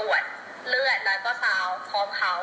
เลือดและก็เช้าพร้อมเขา